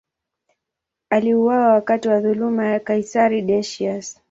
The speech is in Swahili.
Aliuawa wakati wa dhuluma ya kaisari Decius.